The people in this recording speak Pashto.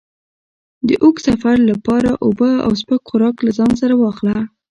د اوږد سفر لپاره اوبه او سپک خوراک له ځان سره واخله.